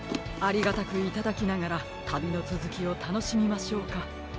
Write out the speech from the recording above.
ありがたくいただきながらたびのつづきをたのしみましょうか。